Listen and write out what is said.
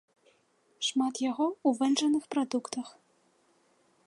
Шмат яго у вэнджаных прадуктах.